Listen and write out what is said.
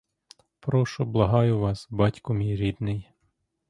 Прошу, благаю вас, батьку мій рідний!